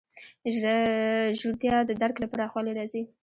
ژورتیا د درک له پراخوالي راځي.